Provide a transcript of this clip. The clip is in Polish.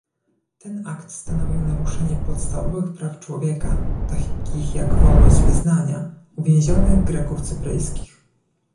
Ten akt stanowił naruszenie podstawowych praw człowieka, takich jak wolność wyznania, uwięzionych Greków cypryjskich